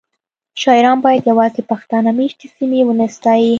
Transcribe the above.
شاعران باید یوازې پښتانه میشتې سیمې ونه ستایي